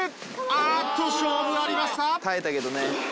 あっと勝負ありました！